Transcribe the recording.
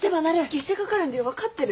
月謝かかるんだよ分かってる？